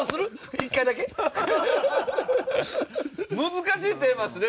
難しいテーマですね